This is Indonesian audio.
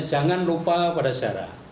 jangan lupa pada sejarah